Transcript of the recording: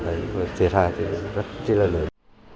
đấy thiệt hại thì rất là lớn